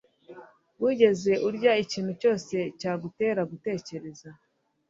Wigeze urya ikintu cyose cyagutera gutekereza